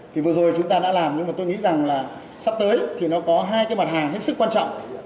thì vừa rồi chúng ta đã làm nhưng mà tôi nghĩ rằng là sắp tới thì nó có hai cái mặt hàng hết sức quan trọng